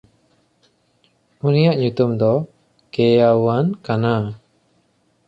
ᱩᱱᱤᱭᱟᱜ ᱧᱩᱛᱩᱢ ᱫᱚ ᱠᱮᱭᱟᱣᱱᱟ ᱠᱟᱱᱟ᱾